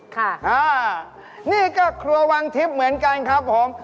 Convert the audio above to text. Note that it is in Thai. ค่ะอ่านี่ก็ครัววังทิพย์เหมือนกันครับผม